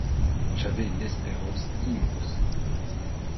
J'avais une espérance immense.